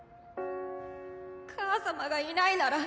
母様がいないなら